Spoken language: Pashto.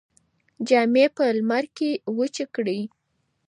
جامې په لمر کې وچې کړئ.